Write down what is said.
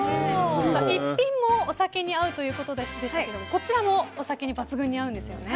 逸品もお酒に合うということでしたけれどもこちらもお酒に抜群に合うんですよね。